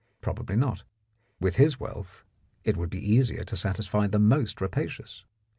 Probably not; with his wealth it would be easier to satisfy the most rapacious.